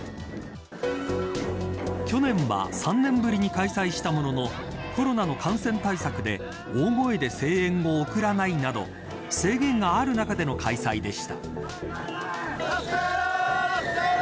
去年は３年ぶりに開催したもののコロナの感染対策で大声で声援を送らないなど制限がある中での開催でした。